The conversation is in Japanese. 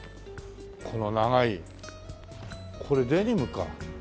この長いこれデニムか。